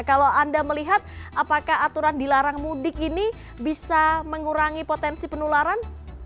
kalau anda melihat apakah aturan dilarang mudik ini bisa mengurangi potensi penularan